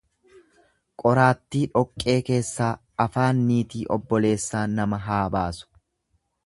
Qoraattii dhoqqee keessaa, afaan niitii obboleessaa nama haa baasu.